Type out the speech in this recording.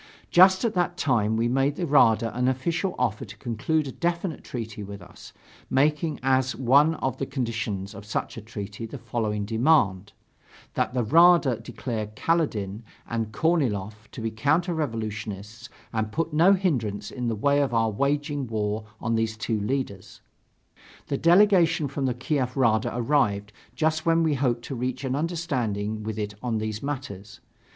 Just at that time, we made the Rada an official offer to conclude a definite treaty with us, making as one of the conditions of such a treaty the following demand: that the Rada declare Kaledin and Korniloff to be counter revolutionists and put no hindrance in the way of our waging war on these two leaders. The delegation from the Kiev Rada arrived, just when we hoped to reach an understanding with it on these matters.